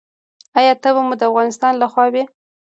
ایا تبه مو د ماښام لخوا وي؟